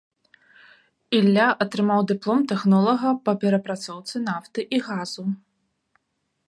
Ілля атрымаў дыплом тэхнолага па перапрацоўцы нафты і газу.